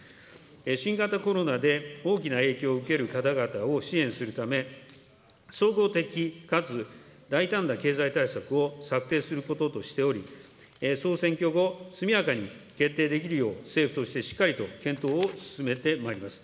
新型コロナで大きな影響を受ける方々を支援するため、総合的かつ大胆な経済対策を策定することとしており、総選挙後、速やかに決定できるよう政府としてしっかりと検討を進めてまいります。